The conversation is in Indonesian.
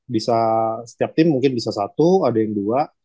bisa setiap tim mungkin bisa satu ada yang dua